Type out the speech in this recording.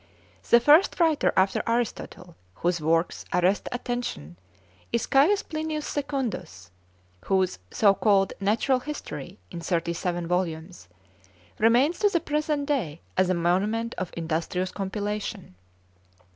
The first writer after Aristotle whose works arrest attention is Caius Plinius Secundus, whose so called "Natural History," in thirty seven volumes, remains to the present day as a monument of industrious compilation.